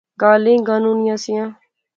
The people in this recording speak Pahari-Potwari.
گالیں گانونیاں سیاں